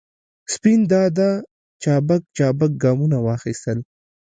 سپین دادا چابک چابک ګامونه واخستل.